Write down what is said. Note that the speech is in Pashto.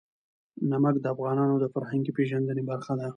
نمک د افغانانو د فرهنګي پیژندنې برخه ده.